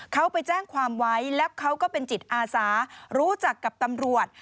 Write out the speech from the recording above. เขาไปแจ้งความไว้แล้วเขาก็เป็นจิตอาสารู้จักกับตำรวจ